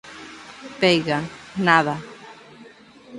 _Veiga, ¡nada!